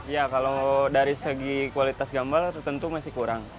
ya kalau dari segi kualitas gambar tentu masih kurang